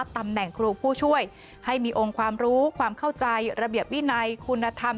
ตำแหน่งครูผู้ช่วยให้มีองค์ความรู้ความเข้าใจระเบียบวินัยคุณธรรม